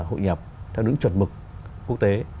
hội nhập theo những chuẩn mực quốc tế